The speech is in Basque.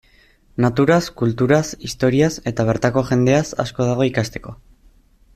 Naturaz, kulturaz, historiaz, eta bertako jendeaz asko dago ikasteko.